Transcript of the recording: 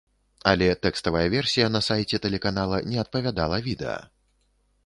Але тэкставая версія на сайце тэлеканала не адпавядала відэа.